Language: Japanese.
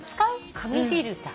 紙フィルター。